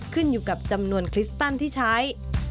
ขึ้นอยู่กับจำนวนคริสตันที่ใช้